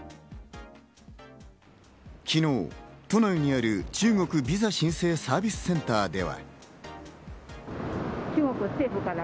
昨日、都内にある中国ビザ申請サービスセンターでは。